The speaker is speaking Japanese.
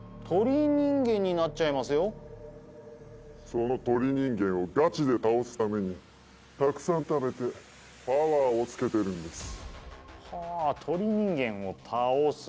その鳥人間をガチで倒すためにたくさん食べてパワーをつけてるんですはあ鳥人間を倒す？